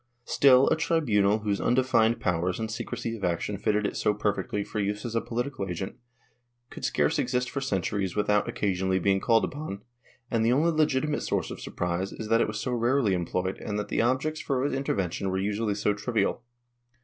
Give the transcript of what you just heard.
Still, a tribunal, whose undefined powers and secrecy of action fitted it so perfectly for use as a political agent, could scarce exist for centuries without occasionally being called upon, and the only legitimate source of surprise is that it was so rarely employed and that the objects for its intervention were usually so trivial.